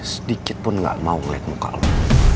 sedikit pun gak mau liat muka lo